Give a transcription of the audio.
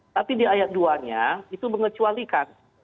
tapi di ayat dua nya itu mengecualikan